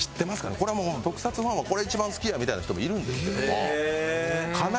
これはもう特撮ファンはこれが一番好きやみたいな人もいるんですけども。